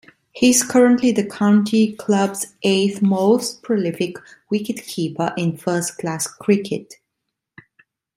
He is currently the county club's eighth most prolific wicketkeeper in first-class cricket.